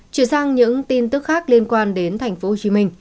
chuyển sang những tin tức khác liên quan đến tp hcm